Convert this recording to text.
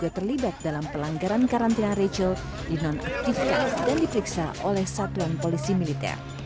juga terlibat dalam pelanggaran karantina rachel dinonaktifkan dan diperiksa oleh satuan polisi militer